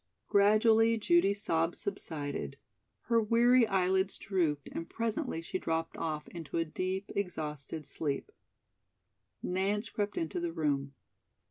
Gradually Judy's sobs subsided, her weary eyelids drooped and presently she dropped off into a deep, exhausted sleep. Nance crept into the room.